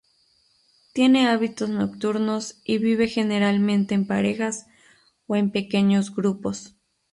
Tiene hábitos nocturnos y vive generalmente en parejas o en pequeños grupos.